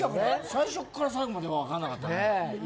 最初から最後まで分からなかった。